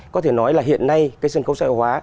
có thể nói là hiện nay cái sân khấu sợi hóa